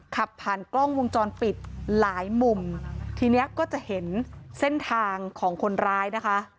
ขับผ่านกล้องวงจรปิดหลายมุมทีเนี้ยก็จะเห็นเส้นทางของคนร้ายนะคะ